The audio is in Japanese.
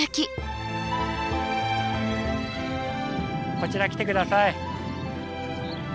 こちら来て下さい。